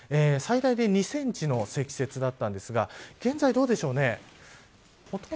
最大で２センチの積雪だったんですが現在はどうでしょうね。